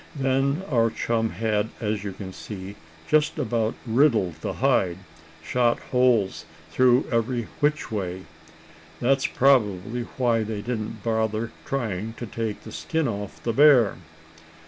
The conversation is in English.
Then our chum had, as you can see, just about riddled the hide; shot holes through every which way. That's probably why they didn't bother trying to take the skin off the bear."